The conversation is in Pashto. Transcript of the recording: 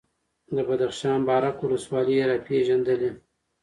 د بدخشان بارک ولسوالي یې راپېژندلې،